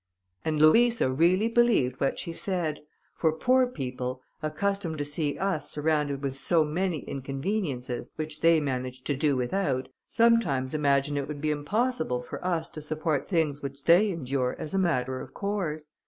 And Louisa really believed what she said, for poor people, accustomed to see us surrounded with so many conveniences, which they manage to do without, sometimes imagine it would be impossible for us to support things which they endure as a matter of course.